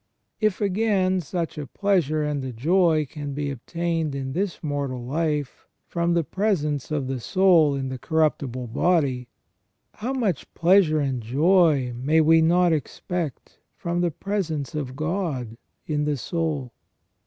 If, again, such a pleasure and a joy can be obtained in this mortal life from the presence of the soul 26 ON THE NATURE OF MAN. in the corruptible body, how much pleasure and joy may we not expect from the presence of God in the soul.